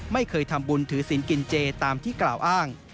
ไม่เคยทำบุญถือศิลป์กินเจตามที่กล่าวอ้าง